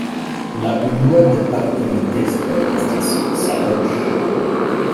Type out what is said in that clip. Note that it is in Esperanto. La unua departementestro estis "Szabolcs".